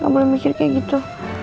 boleh mikir kayak gitu